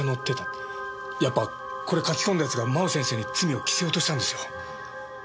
やっぱこれ書き込んだ奴が真央先生に罪を着せようとしたんですよ。